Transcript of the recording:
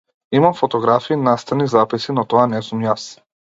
Имам фотографии, настани, записи, но тоа не сум јас.